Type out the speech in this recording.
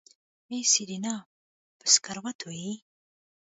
ای سېرېنا په سکروټو يې.